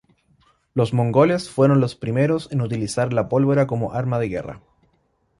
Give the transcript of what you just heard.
Los mongoles fueron los primeros en utilizar la pólvora como arma de guerra.